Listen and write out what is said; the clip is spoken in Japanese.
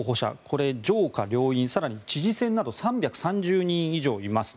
これは上下両院、更に知事選など３３０人以上います。